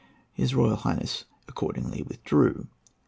His Royal Highness accordingly withdrew.